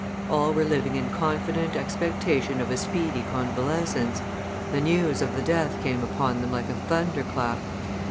All were living in confident expectation of a speedy convalescence; the news of the death came upon them like a thunderclap.